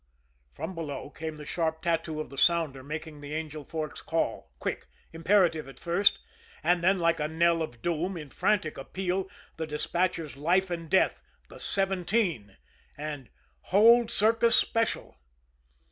From below came the sharp tattoo of the sounder making the Angel Forks call, quick, imperative at first then like a knell of doom, in frantic appeal, the despatchers' life and death, the seventeen and, "Hold Circus Special."